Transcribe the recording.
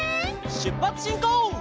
しゅっぱつしんこう！